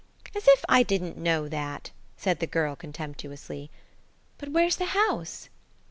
"As if I didn't know that," said the girl contemptuously. "But where's the house?"